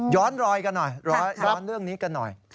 ย้อนเรื่องนี้กันหน่อย